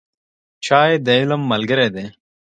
چای د علم ملګری دی